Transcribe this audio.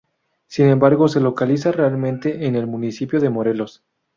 Sin embargo, se localiza realmente en el municipio de Morelos.